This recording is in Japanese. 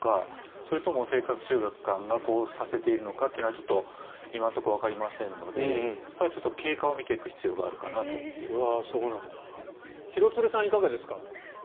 それとも生活習慣がこうさせているのかというのはちょっと今のところわかりませんのでこれは経過を見ていく必要があるかなと思っています。